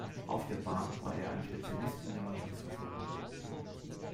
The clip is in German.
Auf der Bahn war er ein Spezialist in der Mannschaftsverfolgung.